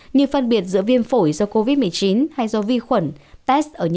như phân biệt giữa viêm phổi do covid một mươi chín hay do vi khuẩn